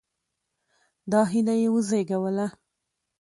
دا هیله یې وزېږوله.